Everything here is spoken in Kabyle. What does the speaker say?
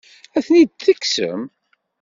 Ad ten-id-tekksem?